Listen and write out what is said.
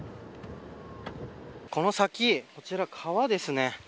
この先、こちら川ですね。